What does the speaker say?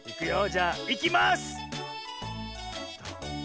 じゃあいきます！